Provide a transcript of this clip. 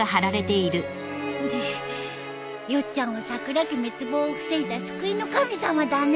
ヨッちゃんはさくら家滅亡を防いだ救いの神様だね。